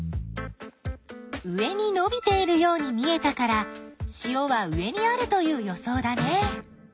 上にのびているように見えたから塩は上にあるという予想だね。